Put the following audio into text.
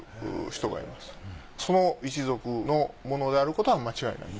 その一族のものであることは間違いないと。